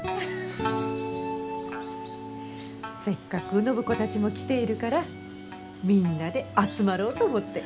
せっかく暢子たちも来ているからみんなで集まろうと思って。